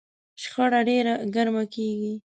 شخړه ډېره ګرمه کېږي.